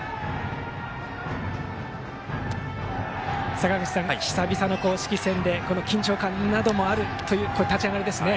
坂口さん、久々の公式戦で緊張感などもあるような立ち上がりですね。